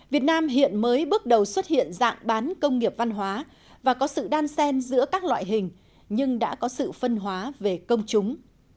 việt nam hiện mới bước đầu xuất hiện dạng bán công nghiệp văn hóa và có sự đan sen giữa các loại hình nhưng đã có sự phân hóa về công chúng